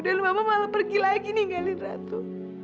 dan mama malah pergi lagi ninggalin ratu